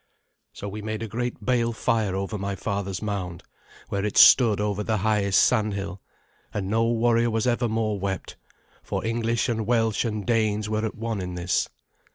So we made a great bale fire over my father's mound, where it stood over the highest sandhill; and no warrior was ever more wept, for English and Welsh and Danes were at one in this.